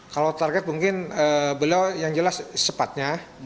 kalau target mungkin beliau yang jelas secepatnya